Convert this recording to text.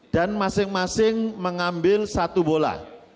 dan masing masing mengambil satu bola